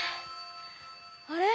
あれ？